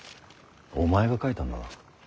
お前が書いたんだな。